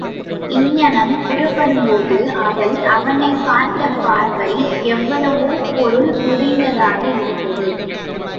அங்ஙனம் புறப்படும்போது அவள் அவனைப் பார்த்த பார்வை எவ்வளவோ பொருள் பொதிந்ததாக இருந்தது.